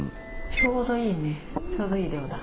ちょうどいいねちょうどいい量だ。